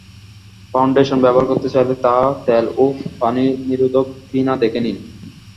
Foundation ব্যবহার করতে চাইলে তা তেল ও পানিনিরোধক কি না দেখে নিন।